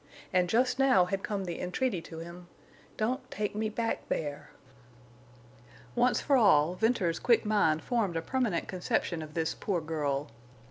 And just now had come the entreaty to him, "Don't—take—me—back—there!" Once for all Venters's quick mind formed a permanent conception of this poor girl.